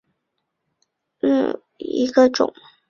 贞丰蹄盖蕨为蹄盖蕨科蹄盖蕨属下的一个种。